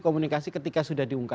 komunikasi ketika sudah diangkat